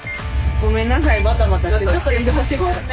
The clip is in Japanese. ごめんなさいバタバタして。